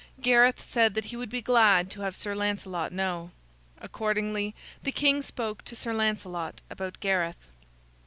Gareth said that he would be glad to have Sir Lancelot know. Accordingly the king spoke to Sir Lancelot about Gareth.